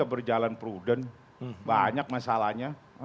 berjalan prudent banyak masalahnya